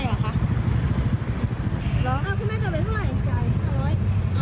เอ้าคุณแม่จะไปเท่าไหร่